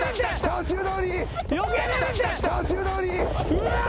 うわ。